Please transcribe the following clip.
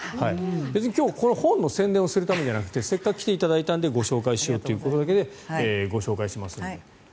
別に今日はこの本の宣伝をするためではなくてせっかく来ていただいたんでご紹介しようということでご紹介します。